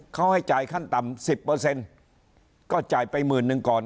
เขาให้จ่ายขั้นต่ำ๑๐ก็จ่ายไปหมื่นหนึ่งก่อน